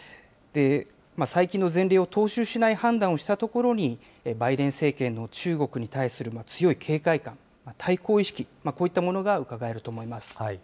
最近の前例を踏襲しない判断をしたところにバイデン政権の中国に対する強い警戒感、対抗意識、こういったものがうかがえると思います。